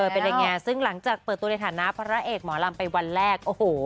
เป็นยังไงซึ่งหลังจากเปิดตัวในฐานะพระเอกหมอลำไปวันแรกโอ้โห